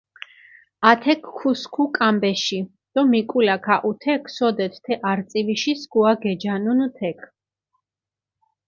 ათექ ქუსქუ კამბეში დო მიკულაქ აჸუ თექ, სოდეთ თე არწივიში სქუა გეჯანუნ თექ.